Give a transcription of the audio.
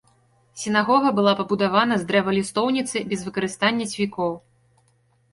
Сінагога была пабудавана з дрэва лістоўніцы без выкарыстання цвікоў.